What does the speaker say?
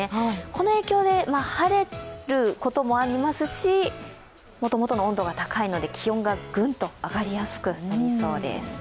この影響で晴れることもありますしもともとの温度が高いので気温がぐんと上がりやすくなりそうです。